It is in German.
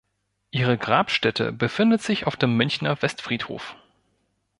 Ihre Grabstätte befindet sich auf dem Münchner Westfriedhof.